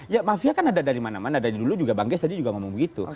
ya mafia kan ada dari mana mana dari dulu juga bang geis tadi juga ngomong begitu